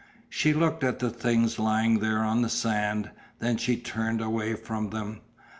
She looked at the things lying there on the sand, then she turned away from them.